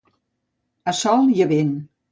A sol i a vent.